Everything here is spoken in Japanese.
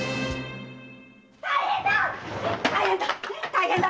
大変だ！